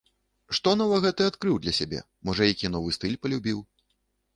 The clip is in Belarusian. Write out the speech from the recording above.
Што новага ты адкрыў для сябе, можа, які новы стыль палюбіў?